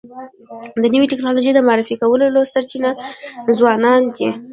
د نوې ټکنالوژی د معرفي کولو سرچینه ځوانان دي.